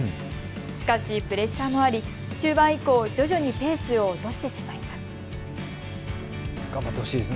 しかしプレッシャーもあり中盤以降、徐々にペースを落としてしまいます。